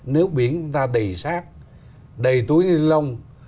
nếu biển chúng ta đầy sát đầy túi ni lông